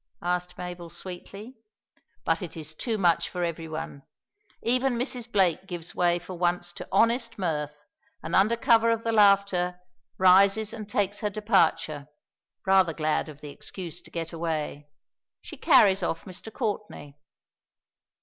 asked Mabel, sweetly. But it is too much for every one. Even Mrs. Blake gives way for once to honest mirth, and under cover of the laughter rises and takes her departure, rather glad of the excuse to get away. She carries off Mr. Courtenay.